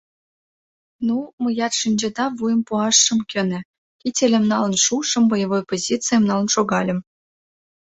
Ну, мыят, шинчеда, вуйым пуаш шым кӧнӧ: кителем налын шуышым, боевой позицийым налын шогальым.